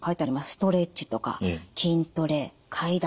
ストレッチとか筋トレ階段